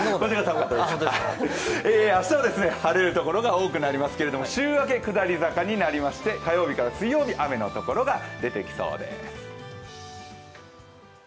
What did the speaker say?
明日は晴れる所が多くなりますけれども週明け下り坂になりまして、火曜日から水曜日、雨のところが出てきそうです。